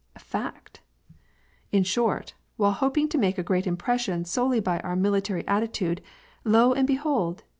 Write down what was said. Fact ! In short, while hoping to make a great impression solely by our mili tary attitude, lo and behold